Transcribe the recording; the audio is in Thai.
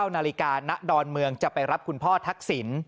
๙นาฬิกาณดอนเมืองจะไปรับคุณพ่อทักษิณ